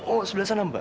oh sebelah sana mba